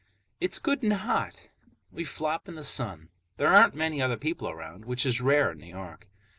It's good and hot, and we flop in the sun. There aren't many other people around, which is rare in New York.